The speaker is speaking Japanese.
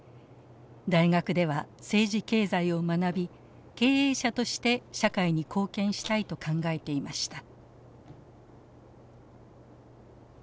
大学では政治経済を学び経営者として社会に貢献したいと考えていました。